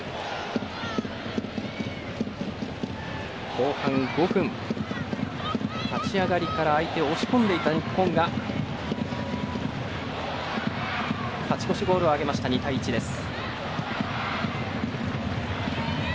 後半５分、立ち上がりから相手を押し込んでいた日本が勝ち越しゴールを挙げました２対１です。